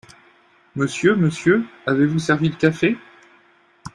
Monsieur ! monsieur !… avez-vous servi le café ?